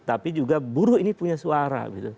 tapi juga buruh ini punya suara